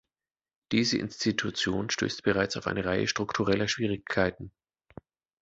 Diese Institution stößt bereits auf eine Reihe struktureller Schwierigkeiten.